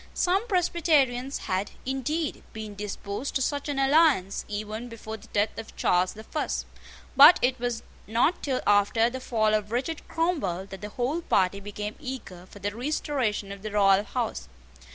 Some Presbyterians had, indeed, been disposed to such an alliance even before the death of Charles the First: but it was not till after the fall of Richard Cromwell that the whole party became eager for the restoration of the royal house.